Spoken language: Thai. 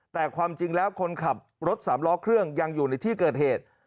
แต่ความจริงแล้วคนขับรถสามล้อเครื่องยังอยู่ในที่เกิดเหตุ